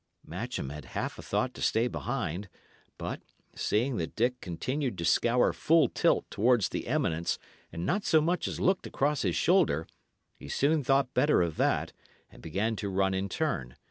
Matcham had half a thought to stay behind; but, seeing that Dick continued to scour full tilt towards the eminence and not so much as looked across his shoulder, he soon thought better of that, and began to run in turn.